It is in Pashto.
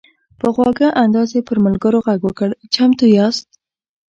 په خواږه انداز یې پر ملګرو غږ وکړ: "چمتو یاست؟"